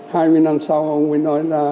hai mươi năm sau ông ấy nói ra